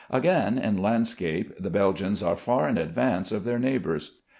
Again, in landscape the Belgians are far in advance of their neighbors.